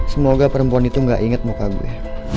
semoga perempuan itu gak inget muka gue